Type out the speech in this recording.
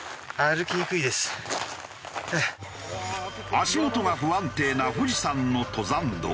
足元が不安定な富士山の登山道。